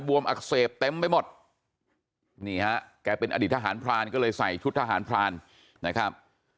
วมอักเสบเต็มไปหมดนี่ฮะแกเป็นอดีตทหารพรานก็เลยใส่ชุดทหารพรานนะครับ